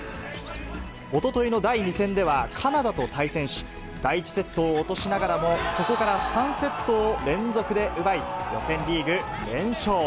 おとといの第２戦ではカナダと対戦し、第１セットを落としながらも、そこから３セットを連続で奪い、予選リーグ連勝。